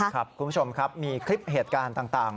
คุณผู้ชมครับมีคลิปเหตุการณ์ต่าง